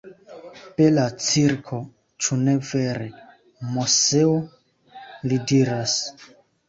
Bela cirko, ĉu ne vere, Moseo? li diras.